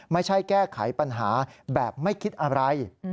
ไม่ใช่แก้ไขปัญหาแบบไม่คิดอะไร